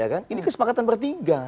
ya kan ini kesepakatan bertiga